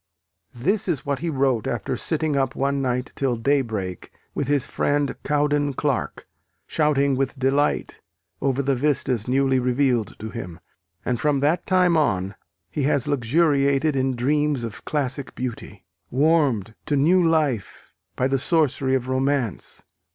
_ This is what he wrote after sitting up one night till daybreak with his friend Cowden Clarke, shouting with delight over the vistas newly revealed to him. And from that time on, he has luxuriated in dreams of classic beauty, warmed to new life by the sorcery of Romance.